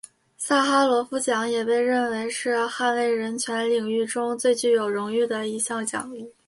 萨哈罗夫奖也被认为是捍卫人权领域中最具有荣誉的一项奖励。